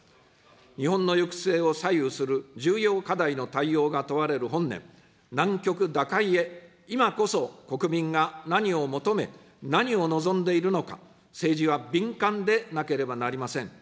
日本の行く末を左右する重要課題の対応が問われる本年、難局打開へ、今こそ、国民が何を求め、何を望んでいるのか、政治は敏感でなければなりません。